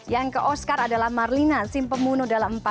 yang ke oscar adalah marlina simpemunuh dalam empat babak